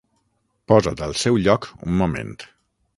Posa't al seu lloc un moment.